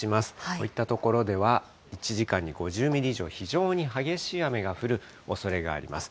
こういった所では、１時間に５０ミリ以上、非常に激しい雨が降るおそれがあります。